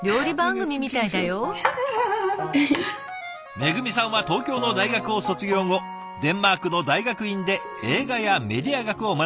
めぐみさんは東京の大学を卒業後デンマークの大学院で映画やメディア学を学び